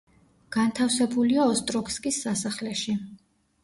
განთავსებულია ოსტროგსკის სასახლეში.